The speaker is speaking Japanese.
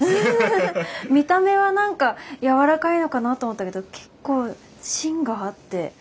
見た目は何かやわらかいのかなと思ったけど結構芯があって。